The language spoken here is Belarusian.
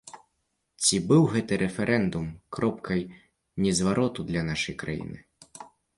Ці быў гэты рэферэндум кропкай незвароту для нашай краіны?